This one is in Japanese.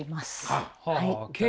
はい。